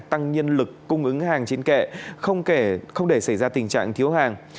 tăng nhân lực cung ứng hàng trên kệ không để xảy ra tình trạng thiếu hàng